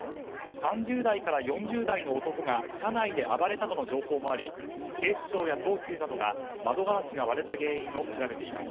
３０代から４０代の男が車内で暴れたとの情報もあり警視庁や東急などが窓ガラスが割れた原因を調べています。